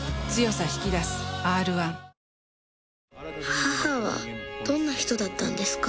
母はどんな人だったんですか？